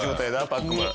『パックマン』。